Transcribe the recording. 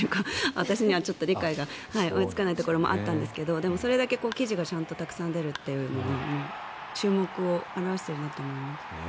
私には理解が追いつかないところもあったんですがでもそれだけ記事がたくさん出るというのは注目を表していると思います。